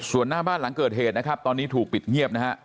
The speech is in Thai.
ส่วนหน้าบ้านหลังเกิดเหตุตอนนี้ถูกปิดเงียบ